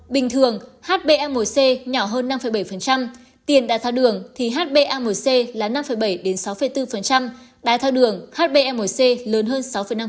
bình thường hba một c nhỏ hơn năm bảy tiền đài tháo đường thì hba một c là năm bảy sáu bốn đài tháo đường hba một c lớn hơn sáu năm